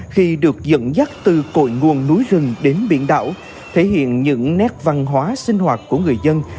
khi được dẫn dắt từ cội nguồn núi rừng đến biển đảo thể hiện những nét văn hóa sinh hoạt của người dân